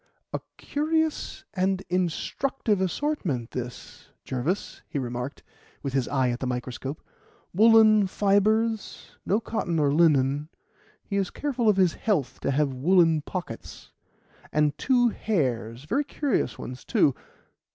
"A curious and instructive assortment this, Jervis," he remarked, with his eye at the microscope: "woollen fibres no cotton or linen; he is careful of his health to have woollen pockets and two hairs; very curious ones, too.